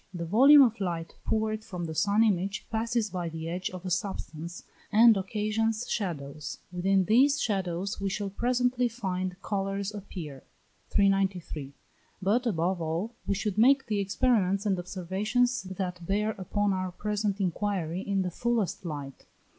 The volume of light poured from the sun image passes by the edge of a substance, and occasions shadows. Within these shadows we shall presently find colours appear. 393. But, above all, we should make the experiments and observations that bear upon our present inquiry in the fullest light.